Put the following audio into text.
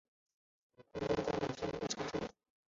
安罗德是德国图林根州的一个市镇。